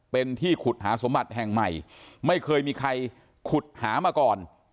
เป็นที่ขุดหาสมบัติแห่งใหม่ไม่เคยมีใครขุดหามาก่อน